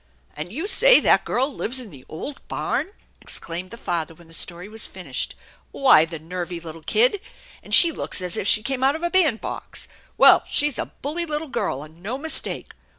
"And you say that girl lives in the old barn !" exclaimed the father when the story was finished. "Why, the nervy little kid ! And she looks as if she came out of a bandbox ! Well, she's a bully little girl and no mistake!